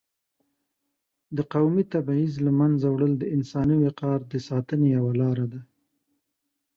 د قومي تبعیض له منځه وړل د انساني وقار د ساتنې یوه لار ده.